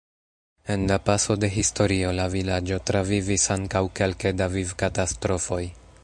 En la paso de historio la vilaĝo travivis ankaŭ kelke da vivkatastrofoj.